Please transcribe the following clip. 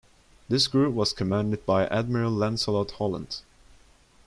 This group was commanded by Admiral Lancelot Holland.